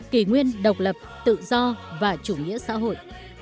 kỷ nguyên độc lập tự do và chủ nghĩa xã hội